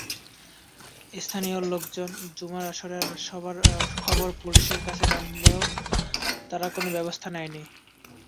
স্থানীয় লোকজন জুয়ার আসরের খবর পুলিশের কাছে জানালেও তারা কোনো ব্যবস্থা নেয়নি।